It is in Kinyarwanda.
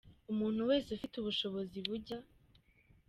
umuntu wese ufite ubushobozi bujya.